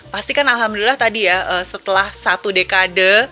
pastikan alhamdulillah tadi ya setelah satu dekade